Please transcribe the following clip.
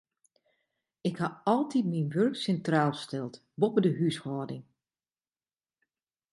Ik ha altyd myn wurk sintraal steld, boppe de húshâlding.